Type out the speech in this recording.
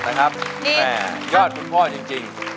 ยอดคุณพ่อจริง